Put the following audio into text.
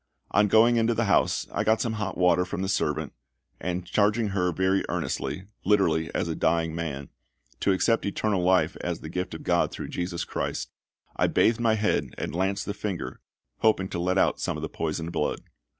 On going into the house I got some hot water from the servant, and charging her very earnestly literally as a dying man to accept eternal life as the gift of GOD through JESUS CHRIST, I bathed my head and lanced the finger, hoping to let out some of the poisoned blood.